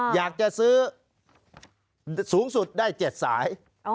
อยากจะซื้อสูงสุดได้๗สาย